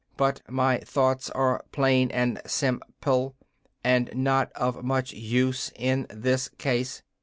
But my thoughts are plain and sim ple, and are not of much use in this case."